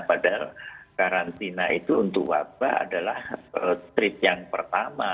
padahal karantina itu untuk wabah adalah trip yang pertama